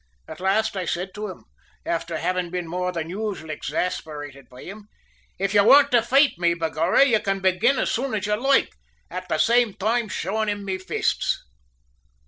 At last I said to him, afther havin' been more than usual exasperated by him, `If you want to foight me, begorrah, ye can begin as soon as you loike,' at the same toime showin' him me fists."